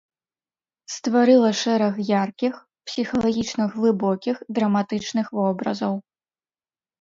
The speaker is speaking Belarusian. Стварыла шэраг яркіх, псіхалагічна глыбокіх драматычных вобразаў.